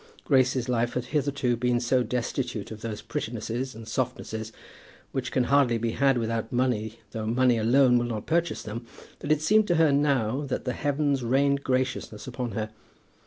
Grace's life had hitherto been so destitute of those prettinesses and softnesses, which can hardly be had without money though money alone will not purchase them, that it seemed to her now that the heavens rained graciousness upon her.